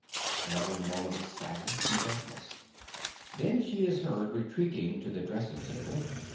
(_Another moment of silence and darkness. Then she is heard retreating to the dressing table.